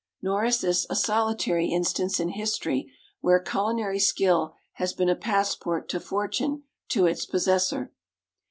Nor is this a solitary instance in history where culinary skill has been a passport to fortune to its possessor.